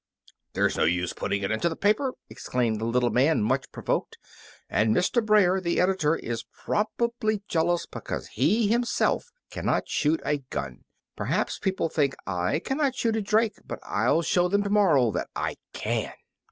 "There's no use putting it into the paper," exclaimed the little man, much provoked, "and Mr. Brayer, the editor, is probably jealous because he himself cannot shoot a gun. Perhaps people think I cannot shoot a drake, but I'll show them to morrow that I can!"